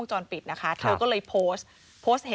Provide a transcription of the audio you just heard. ใช่อื้อ